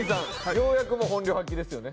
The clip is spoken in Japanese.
ようやく本領発揮ですよね。